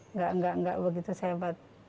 nggak nggak nggak begitu sempat